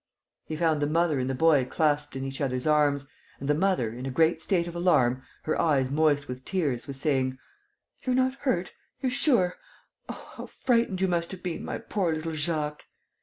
He found the mother and the boy clasped in each other's arms; and the mother, in a great state of alarm, her eyes moist with tears, was saying: "You're not hurt? You're sure? Oh, how frightened you must have been, my poor little Jacques!"